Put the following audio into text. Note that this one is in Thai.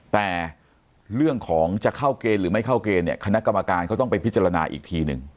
แต่เรื่องของจะเข้าเกณฑ์หรือไม่เข้าเกณฑ์เนี่ยคณะกรรมการเขาต้องไปพิจารณาอีกทีหนึ่ง